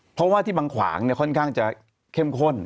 เพราะว่าที่บางขวางเนี่ยค่อนข้างจะเข้มข้น